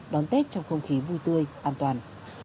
đón tết trong không khí vui tươi an toàn